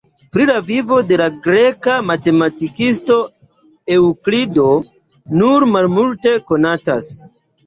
Pri la vivo de la greka matematikisto Eŭklido nur malmulte konatas.